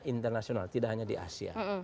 internasional tidak hanya di asia